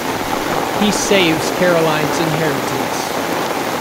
He saves Carolines inheritance.